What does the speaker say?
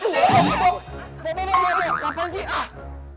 tuh oh oh apaan sih ah